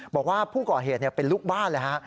บอกว่าผู้ก่อเหตุเป็นลูกบ้านเลยฮะ